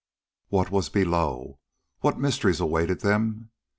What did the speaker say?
What was below? What mysteries awaited them?